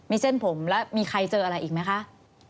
มีเส้นผมแล้วมีใครเจออะไรอีกไหมคะ